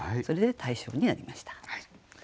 それで大賞になりました。